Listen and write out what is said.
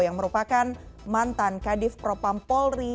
yang merupakan mantan kadif propam polri